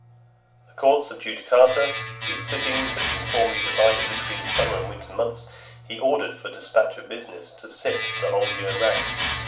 XXIII. The courts of judicature, whose sittings had been formerly divided between the summer and winter months, he ordered, for the dispatch of business, to sit the whole year round.